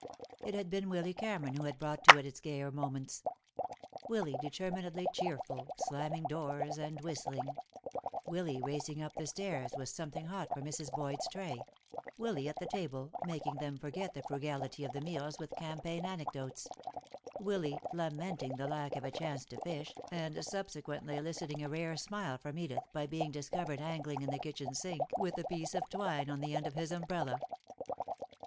It had been Willy Cameron who had brought to it its gayer moments, Willy determinedly cheerful, slamming doors and whistling; Willy racing up the stairs with something hot for Mrs. Boyd's tray; Willy at the table, making them forget the frugality of the meals with campaign anecdotes; Willy, lamenting the lack of a chance to fish, and subsequently eliciting a rare smile from Edith by being discovered angling in the kitchen sink with a piece of twine on the end of his umbrella.